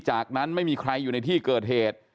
จากนั้นไม่มีใครอยู่ในที่เกิดเหตุ